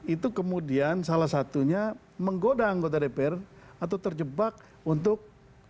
itu kemudian salah satunya menggoda anggota dpr atau terjebak untuk